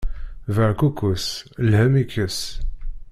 Berkukes, lhemm ikkes.